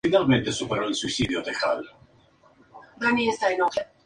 Las islas típicamente tienen llanuras costeras estrechas y numerosas rápidas corrientes de agua.